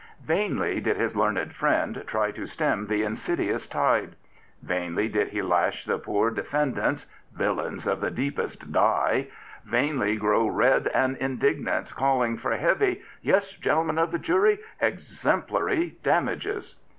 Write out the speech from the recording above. Vainly did his learned friend try to stem the ingidious tide. Vainly did he lash the poor defend ants— villains of the deepest dye — vainly grow red and indignant, calling for heavy — yes, gentleman of the jury — exemplary damages.